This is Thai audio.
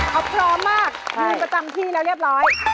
เขาพร้อมมากยืนประจำที่แล้วเรียบร้อย